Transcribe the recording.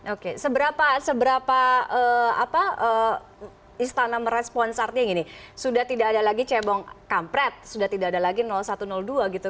oke seberapa istana merespons artinya gini sudah tidak ada lagi cebong kampret sudah tidak ada lagi satu dua gitu